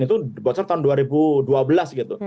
itu dibocor tahun dua ribu dua belas gitu